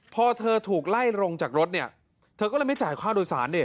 เผื่อเธอถูกไล่จากรถนี่เธอก็อาจไม่จ่ายข้าวโดยศาล